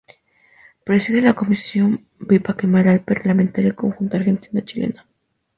Preside la Comisión Bicameral Parlamentaria Conjunta Argentina-Chilena.